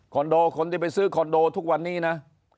โดคนที่ไปซื้อคอนโดทุกวันนี้นะ